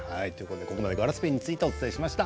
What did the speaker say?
ガラスペンについてお伝えしました。